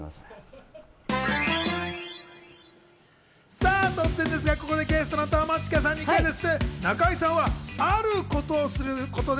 さあ、突然ですがここでゲストの友近さんにクイズッス。